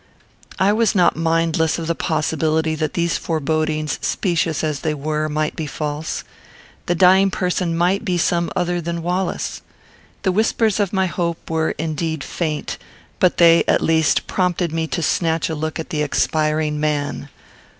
I was not mindless of the possibility that these forebodings, specious as they were, might be false. The dying person might be some other than Wallace. The whispers of my hope were, indeed, faint; but they, at least, prompted me to snatch a look at the expiring man.